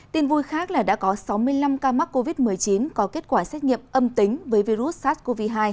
tin vui khác là đã có sáu mươi năm ca mắc covid một mươi chín có kết quả xét nghiệm âm tính với virus sars cov hai